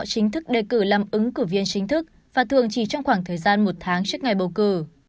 chính thức đề cử làm ứng cử viên chính thức và thường chỉ trong khoảng thời gian một tháng trước ngày bầu cử